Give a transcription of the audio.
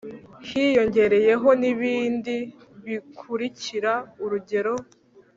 hiyongereyeho nibi bikurikira urugero